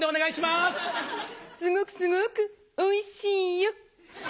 すごくすごくおいしいよ。